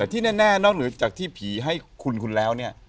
แต่ที่แน่นอกจากที่ผีให้คุณคุณแล้วเนี่ย